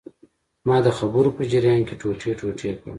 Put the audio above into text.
ما د خبرو په جریان کې ټوټې ټوټې کړ.